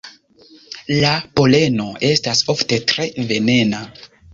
La poleno estas ofte tre venena.